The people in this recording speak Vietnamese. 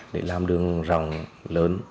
để làm đường ròng lớn